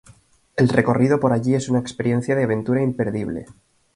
El recorrido por allí es una experiencia de aventura imperdible.